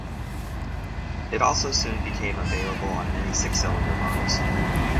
It also soon became available on many six-cylinder models.